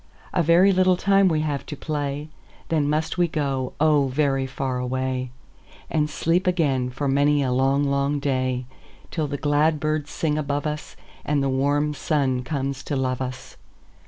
"A very little time we have to play, Then must we go, oh, very far away, And sleep again for many a long, long day, Till the glad birds sing above us, And the warm sun comes to love us.